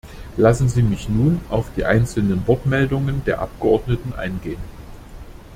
Lassen Sie mich nun auf die einzelnen Wortmeldungen der Abgeordneten eingehen.